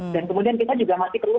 dan kemudian kita juga masih perlu